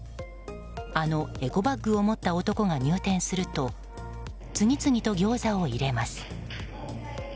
あのエコバッグを持った男が入店すると次々とギョーザを入れます。